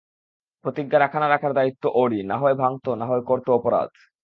প্রতিজ্ঞা রাখা না-রাখার দায়িত্ব ওরই, না হয় ভাঙত, না হয় করত অপরাধ।